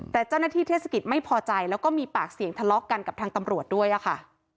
แต่เจ้าหน้าที่เทศกิจไม่พอใจแล้วก็มีปากเสียงทะเลาะกันกับทางตำรวจด้วยค่ะ